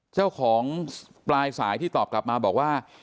เจ้าของปลายสายที่ตอบกลับมาบอกว่า